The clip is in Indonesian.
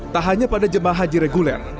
tak hanya pada jemaah haji reguler